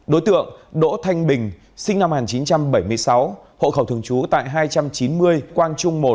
đối tượng đỗ thanh bình sinh năm một nghìn chín trăm bảy mươi sáu hộ khẩu thường trú tại hai trăm chín mươi quang trung một